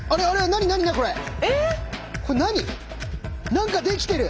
何かできてる！